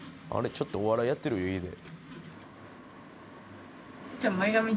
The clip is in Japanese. ちょっとお笑いやってるよ家で。